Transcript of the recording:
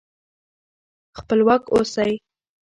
خپلواک اوسئ.